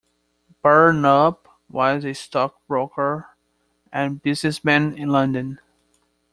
Burnup was a stockbroker and businessman in London.